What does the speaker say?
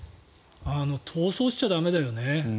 逃走しちゃ駄目だよね。